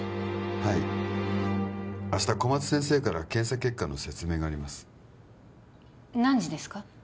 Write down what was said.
はい明日小松先生から検査結果の説明があります何時ですか？